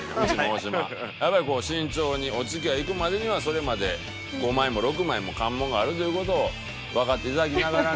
やっぱり慎重にお付き合いにいくまでにはそれまで５枚も６枚も関門があるという事をわかっていただきながらね。